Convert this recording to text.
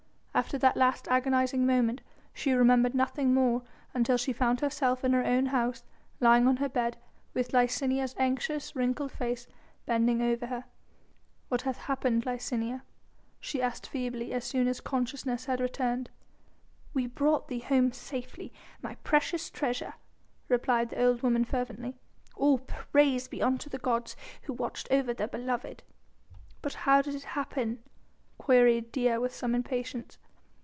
After that last agonising moment she remembered nothing more until she found herself in her own house, lying on her bed, with Licinia's anxious, wrinkled face bending over her. "What hath happened, Licinia?" she had asked feebly as soon as consciousness had returned. "We brought thee home safely, my precious treasure," replied the old woman fervently, "all praise be unto the gods who watched over their beloved." "But how did it happen?" queried Dea with some impatience.